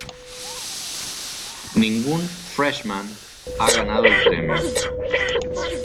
Ningún "freshman" ha ganado el premio.